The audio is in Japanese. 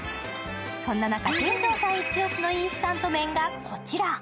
そんな中店長さん一押しのインスタント麺がこちら。